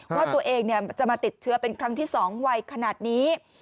ว่าตัวเองจะมาติดเชื้อเป็นครั้งที่๒วัยขนาดนี้